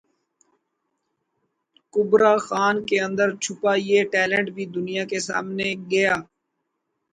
کبری خان کے اندر چھپا یہ ٹیلنٹ بھی دنیا کے سامنے گیا